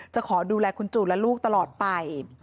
จะขอดูแลคุณจูนและลูกตลอดไป